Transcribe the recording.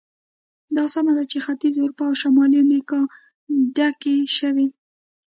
دا سمه ده چې ختیځه اروپا او شمالي امریکا ډکې شوې.